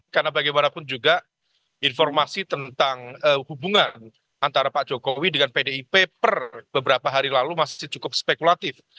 karena bagaimanapun juga informasi tentang hubungan antara pak jokowi dengan pdip per beberapa hari lalu masih cukup spekulatif